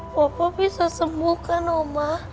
papa bisa sembuh kan oma